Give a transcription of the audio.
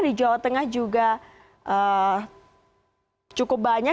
di jawa tengah juga cukup banyak